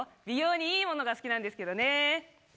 美容にいいものが好きなんですけどね。